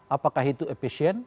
apakah itu efisien